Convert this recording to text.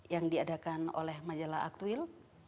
yang diadakan oleh majalah aktuil